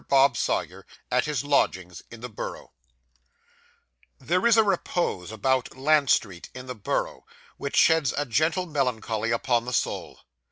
BOB SAWYER AT HIS LODGINGS IN THE BOROUGH There is a repose about Lant Street, in the Borough, which sheds a gentle melancholy upon the soul.